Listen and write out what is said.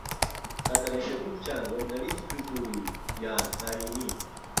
خەتەنەکردنی کچان وەک نەریتی کلتووری یان ئایینی